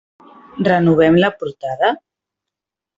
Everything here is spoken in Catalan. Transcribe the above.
Renovem la portada?